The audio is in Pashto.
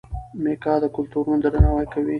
میکا د کلتورونو درناوی کوي.